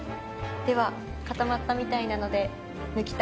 では固まったみたいなので抜きたいと思います。